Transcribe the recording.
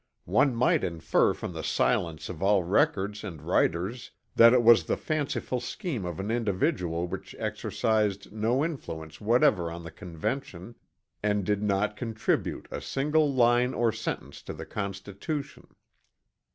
One might infer from the silence of all records and writers that it was the fanciful scheme of an individual which exercised no influence whatever on the Convention and did not contribute a single line or sentence to the Constitution.